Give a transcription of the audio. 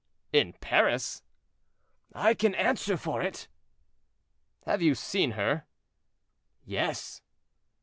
"In Paris!" "I can answer for it." "Have you seen her?" "Yes."